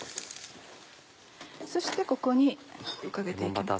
そしてここにかけて行きます。